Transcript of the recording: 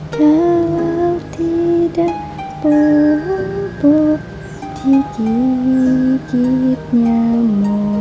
kalau tidak bobo dikikitnya mu